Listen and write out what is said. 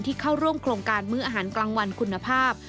เข้าร่วมโครงการมื้ออาหารกลางวันคุณภาพ